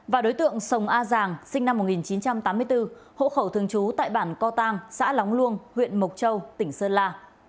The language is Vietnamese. và đối tượng sông a giàng sinh năm một nghìn chín trăm tám mươi bốn hộ khẩu thường trú tại bản co tăng xã lóng luông huyện mộc châu tỉnh sơn la